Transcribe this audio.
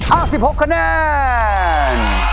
อัก๑๖คะแนน